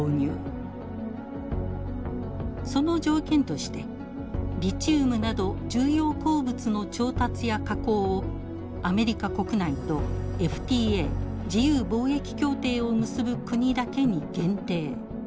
その条件としてリチウムなど重要鉱物の調達や加工をアメリカ国内とＦＴＡ自由貿易協定を結ぶ国だけに限定。